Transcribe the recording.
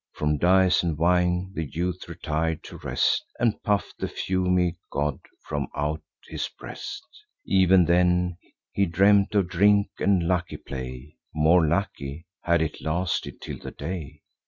From dice and wine the youth retir'd to rest, And puff'd the fumy god from out his breast: Ev'n then he dreamt of drink and lucky play— More lucky, had it lasted till the day.